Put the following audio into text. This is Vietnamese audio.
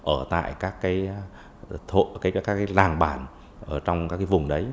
ở tại các làng bản trong các vùng đấy